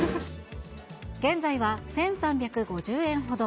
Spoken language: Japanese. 現在は１３５０円ほど。